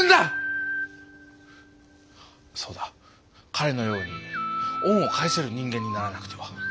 そうだ彼のように恩を返せる人間にならなくては。